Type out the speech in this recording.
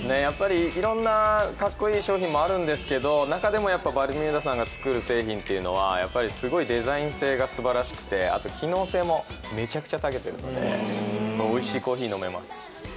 いろんなかっこいい商品もあるんですけどバルミューダさんが作る製品はすごいデザイン性がすばらしくてあと機能性もめちゃくちゃたけているのでおいしいコーヒー飲めます。